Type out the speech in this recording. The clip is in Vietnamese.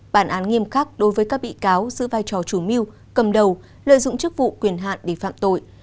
bản án nghiêm khắc đối với các bị cáo giữ vai trò chủ mưu cầm đầu lợi dụng chức vụ quyền hạn để phạm tội